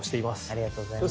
ありがとうございます。